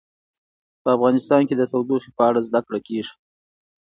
په افغانستان کې د تودوخه په اړه زده کړه کېږي.